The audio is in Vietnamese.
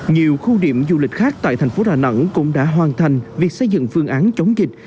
nhiều khu điểm du lịch khác tại thành phố đà nẵng cũng đã hoàn thành việc xây dựng phương án chống dịch